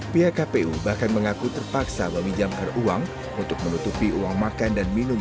pihak kpu bahkan mengaku terpaksa meminjamkan uang untuk menutupi uang makan dan minum